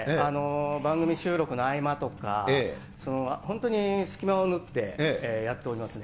番組収録の合間とか、本当に隙間を縫ってやっておりますね。